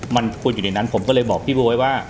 มันควรอยู่ในนั้นผมก็เลยบอกพี่บ๊วยว่า